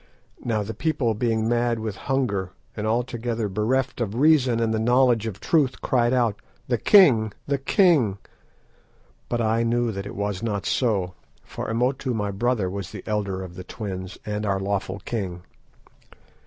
"Now the people being mad with hunger, and altogether bereft of reason and the knowledge of truth, cried out—'The king! The king!' but I knew that it was not so, for Imotu my brother was the elder of the twins, and our lawful king.